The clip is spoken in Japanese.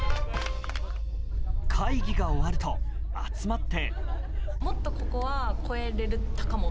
会議が終わると、集まって。